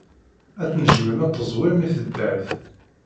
Ad tnejjmem ad teẓwim l teddart.